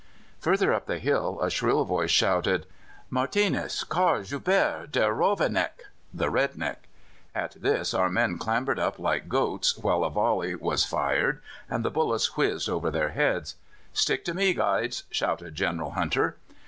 Further up the hill a shrill voice shouted: "Martinas, Carl Joubert, der Rovinek!" (the Red neck). At this our men clambered up like goats, while a volley was fired, and bullets whizzed over their heads. "Stick to me, guides!" shouted General Hunter.